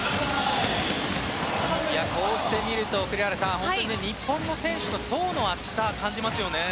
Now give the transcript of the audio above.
こうして見ると、栗原さん日本の選手の層の厚さを感じます。